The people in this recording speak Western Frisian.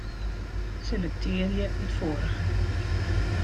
Selektearje it foarige.